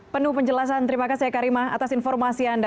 penuh penjelasan terima kasih eka rima atas informasi anda